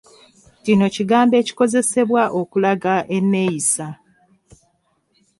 Kino kigambo ekikozesebwa okulaga enneeyisa.